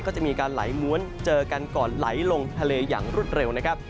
ก็จะมีการไหลม้วนเจอกันก่อนไหลลงทะเลอย่างรวดเร็วนะครับ